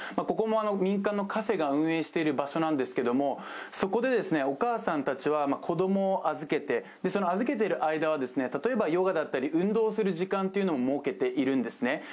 ここも民間のカフェが運営している場所なんですけれどもそこでお母さんたちは、子供を預けてその預けている間は、例えばヨガだったり運動する時間を設けているんですね。